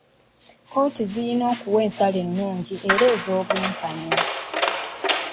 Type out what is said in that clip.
Kkooti zirina okuwa ensala ennungi era ez'obwenkanya.